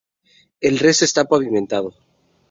El resto está pavimentado.